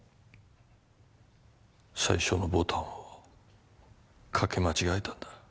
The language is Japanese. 最初のボタンを掛け間違えたんだ。